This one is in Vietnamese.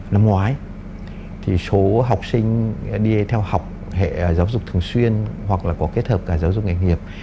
năm ngoái thì số học sinh đi theo học hệ giáo dục thường xuyên hoặc là có kết hợp cả giáo dục nghề nghiệp